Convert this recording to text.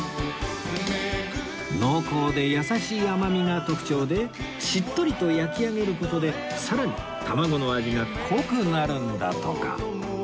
濃厚で優しい甘みが特徴でしっとりと焼き上げる事でさらに卵の味が濃くなるんだとか